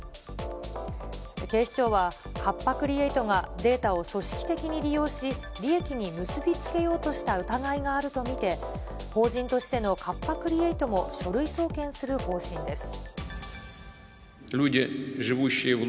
警視庁はカッパ・クリエイトが、データを組織的に利用し、利益に結び付けようとした疑いがあると見て、法人としてのカッパ・クリエイトも書類送検する方針です。